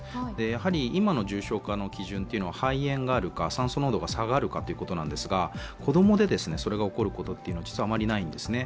やはり今の重症化の基準というのは肺炎があるか、酸素濃度が下がるかということですが子供でそれが起こることは実はあまりないんですね。